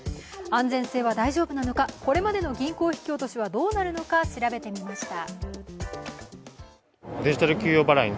安全性は大丈夫なのか、これまでの銀行引き落としはどうなるのか調べてみました。